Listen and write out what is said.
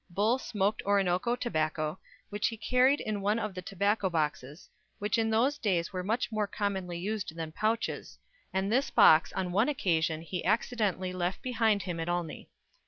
Bull smoked Orinoco tobacco, which he carried in one of the tobacco boxes, which in those days were much more commonly used than pouches, and this box on one occasion he accidentally left behind him at Olney.